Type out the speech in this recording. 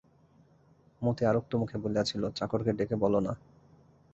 মতি আরক্ত মুখে বলিয়াছিল, চাকরকে ডেকে বলো না?